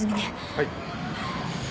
はい。